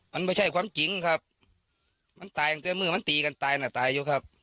มันไม่ใช่ความจริงครับมันตายตั้งแต่เมื่อมันตีกันตายน่ะตายอยู่ครับ